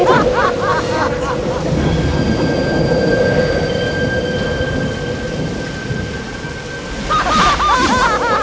pertahanan pertahanan pada gerak